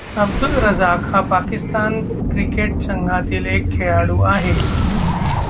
अब्दुल रझाक हा पाकिस्तान क्रिकेट संघातील एक खेळाडू आहे.